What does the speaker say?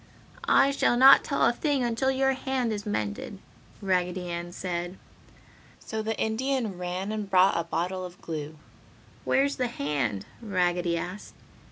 "I shall not tell a thing until your hand is mended!" Raggedy Ann said. So the Indian ran and brought a bottle of glue. "Where's the hand?" Raggedy asked.